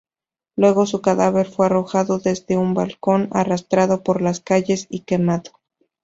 Luego su cadáver fue arrojado desde un balcón, arrastrado por las calles y quemado.